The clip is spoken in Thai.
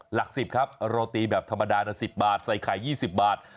หลัก๑๐ครับโรตีแบบธรรมดานะ๑๐บาทใส่ไข่๒๐บาท